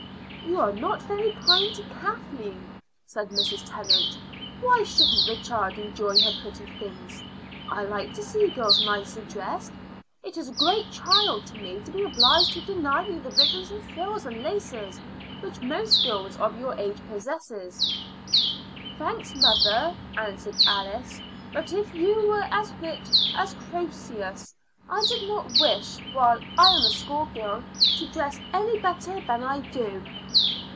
"You are not very kind to Kathleen," said Mrs. Tennant. "Why shouldn't the child enjoy her pretty things? I like to see girls nicely dressed. It is a great trial to me to be obliged to deny you the ribbons and frills and laces which most girls of your age possess." "Thanks, mother," answered Alice; "but if you were as Rich as Croesus, I should not wish, while I am a schoolgirl, to dress any better than I do."